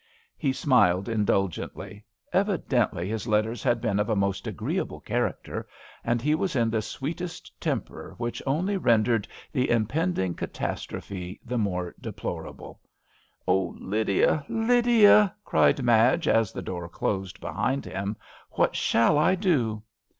He smiled indulgently. Evi dently his letters had been of a A RAINY DAY. I4I most agreeable character, and he was in the sweetest temper, which only rendered the im pending catastrophe the more deplorable* "Oh, Lydia, Lydial" cried Madge, as the door closed behind him, " What shall I do